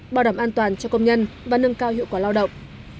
bảo đảm an toàn cho công nhân và nâng cao hiệu quả lao động